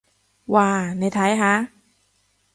哇，你睇下！